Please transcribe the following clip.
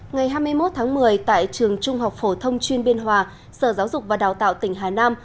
ngày hai mươi một tháng một mươi tại trường trung học phổ thông chuyên biên hòa sở giáo dục và đào tạo tỉnh hà nam